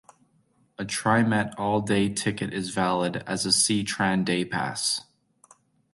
A TriMet All-Day ticket is valid as a C-Tran day pass.